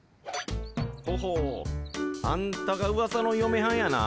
ほほうあんたがウワサのよめはんやな。